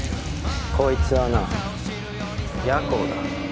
こいつはな夜行だ。